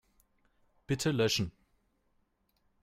Bitte löschen.